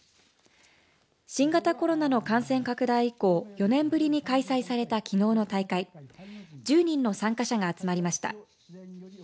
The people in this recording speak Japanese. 新型コロナの感染拡大以降４年ぶりに開催されたきのうの大会１０人の参加者が集まりました。